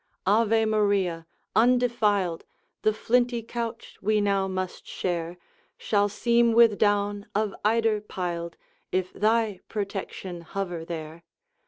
Ave Maria! undefiled! The flinty couch we now must share Shall seem with down of eider piled, If thy protection hover there.